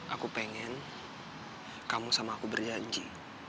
aku pengen kamu sama aku berjanji